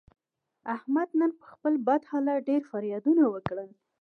احمد نن پر خپل بد حالت ډېر فریادونه وکړل.